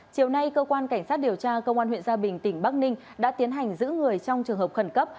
chiều nay cơ quan cảnh sát điều tra công an huyện gia bình tỉnh bắc ninh đã tiến hành giữ người trong trường hợp khẩn cấp